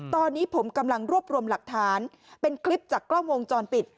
ตอนนี้ผมกำลังรวบรวมหลักฐานเป็นคลิปจากกล้องวงจรปิด